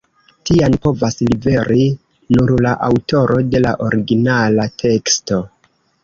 Tian povas liveri nur la aŭtoro de la originala teksto.